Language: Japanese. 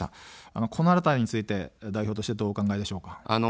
このあたりについて代表としてはどうお考えでしょうか。